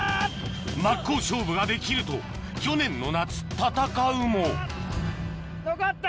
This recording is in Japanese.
真っ向勝負ができると去年の夏戦うものこった！